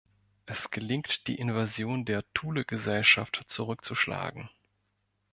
Es gelingt die Invasion der Thule-Gesellschaft zurückzuschlagen.